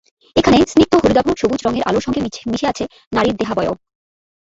এখানে স্নিগ্ধ হলুদাভ সবুজ রঙের আলোর সঙ্গে মিশে আছে নারী দেহাবয়ব।